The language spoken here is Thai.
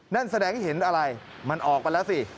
นั่นแสดงเห็นอะไรมันออกไปแล้วสิ